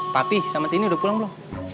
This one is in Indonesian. papi sama tini udah pulang loh